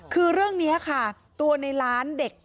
คือเรื่องนี้ค่ะตัวในร้านเด็ก